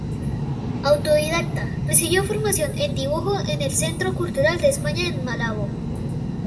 Autodidacta, recibió formación en dibujo en el Centro Cultural de España en Malabo.